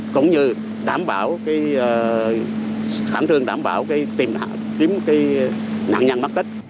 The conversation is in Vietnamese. khẳng thường đảm bảo tìm kiếm nạn nhân bắt tích